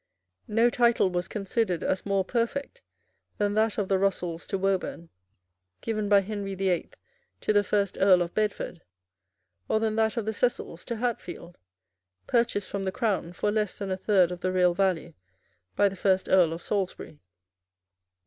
No title was considered as more perfect than that of the Russells to Woburn, given by Henry the Eighth to the first Earl of Bedford, or than that of the Cecils to Hatfield, purchased from the Crown for less than a third of the real value by the first Earl of Salisbury.